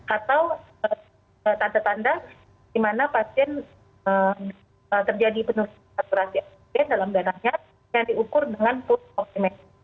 atau tanda tanda di mana pasien terjadi penurunan saturasi oksigen dalam darahnya yang diukur dengan full oksimeter